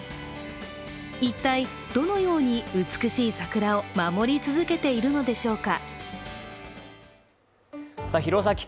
一体どのように美しい桜を守り続けているのでしょうか。